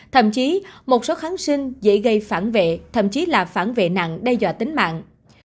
thậm chí một số kháng sinh dễ gây phản vệ thậm chí là phản vệ nặng đe dọa tính mạng